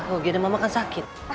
ke ugd mama kan sakit